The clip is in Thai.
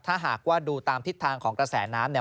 ถ้าหากว่าดูตามทิศทางของกระแสน้ำเนี่ย